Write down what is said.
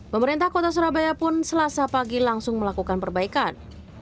pemerintah kota surabaya pun selasa pagi langsung melakukan perbaikan